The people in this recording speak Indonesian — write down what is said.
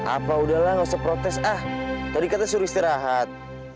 apa udahlah nggak usah protes ah tadi kata suruh istirahat